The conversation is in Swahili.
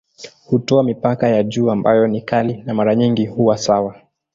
Hutoa mipaka ya juu ambayo ni kali na mara nyingi huwa sawa.